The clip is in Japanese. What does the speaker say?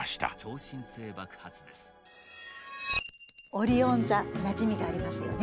オリオン座なじみがありますよね？